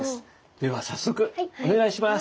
では早速お願いします。